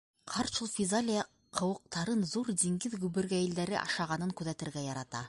Ҡарт шул физалия ҡыуыҡтарын ҙур диңгеҙ гөбөргәйелдәре ашағанын күҙәтергә ярата.